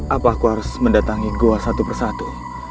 apa aku harus mendatangi goa satu persatu